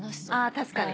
確かに。